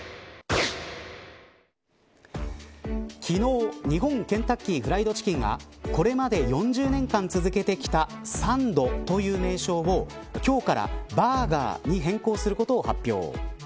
昨日、日本ケンタッキー・フライド・チキンがこれまで４０年間続けてきたサンドという名称を今日からバーガーに変更することを発表。